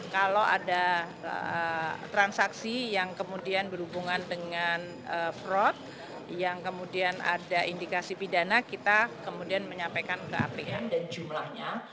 kalau ada transaksi yang kemudian berhubungan dengan fraud yang kemudian ada indikasi pidana kita kemudian menyampaikan ke apn dan jumlahnya